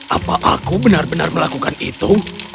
apa aku benar benar melakukan itu